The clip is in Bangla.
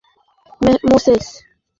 আমরা বাছিনি, মোসেস।